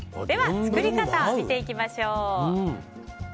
では作り方を見ていきましょう。